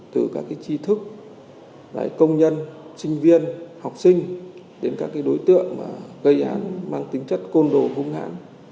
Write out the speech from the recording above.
từ các cái chi thức công nhân sinh viên học sinh đến các cái đối tượng mà gây hạn mang tính chất côn đồ hung hãn